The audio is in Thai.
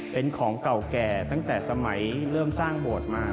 เป็นของเก่าแก่ตั้งแต่สมัยเริ่มสร้างโบสถ์มา